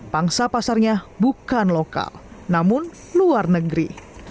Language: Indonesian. pangsa pasarnya bukan lokal namun luar negeri